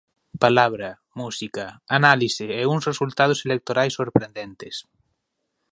Palabra, música, análise e uns resultados electorais sorprendentes.